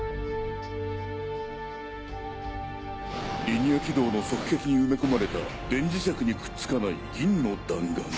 リニア軌道の側壁に埋め込まれた電磁石にくっつかない銀の弾丸。